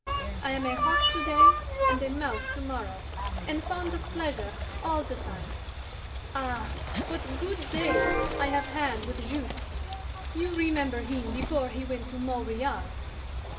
I am a hawk to day and a mouse to morrow, and fond of pleasure all the time. Ah, what good days I have had with Juste! You remember him before he went to Montreal?